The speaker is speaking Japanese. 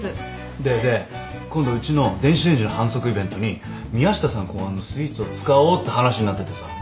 でで今度うちの電子レンジの販促イベントに宮下さん考案のスイーツを使おうって話になっててさ。